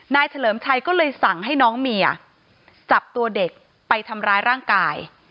เฉลิมชัยก็เลยสั่งให้น้องเมียจับตัวเด็กไปทำร้ายร่างกาย